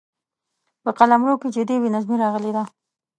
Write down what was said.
په قلمرو کې جدي بې نظمي راغلې ده.